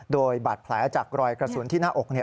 โดยบาดแผลจากรอยกระสุนที่หน้าอก